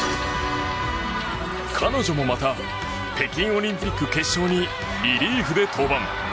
彼女もまた北京オリンピック決勝にリリーフで登板。